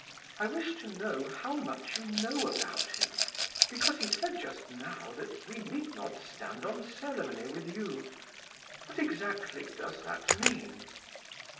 "I wish to know how much you know about him, because he said just now that we need not stand on ceremony with you. What, exactly, does that mean?"